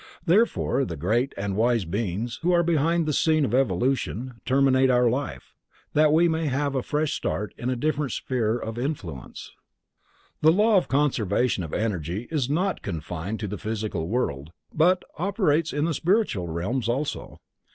Therefore the Great and Wise Beings, Who are behind the scene of evolution, terminate our life, that we may have a fresh start in a different sphere of influence. The law of conservation of energy is not confined to the Physical World, but operates in the spiritual realms also.